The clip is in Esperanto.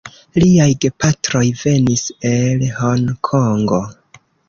Liaj gepatroj venis el Honkongo.